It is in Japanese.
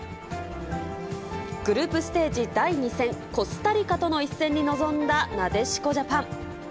グループステージ第２戦、コスタリカとの一戦に臨んだなでしこジャパン。